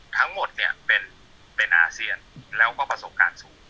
ทั้งหมดเนี่ยเป็นอาเซียนแล้วก็ประสบการณ์สูง